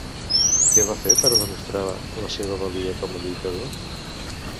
Què fa per a demostrar la seva valia com a lluitador?